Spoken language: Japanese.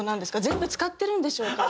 「全部使ってるんでしょうか？」